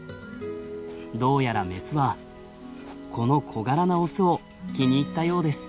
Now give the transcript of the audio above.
どうやらメスはこの小柄なオスを気に入ったようです。